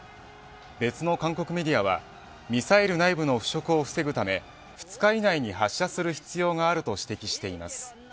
別の韓国メディアはミサイル内部の腐食を防ぐため２日以内に発射する必要があると指摘しています。